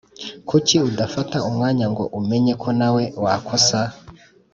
Kuki udafata umwanya ngo umenye ko nawe wakosa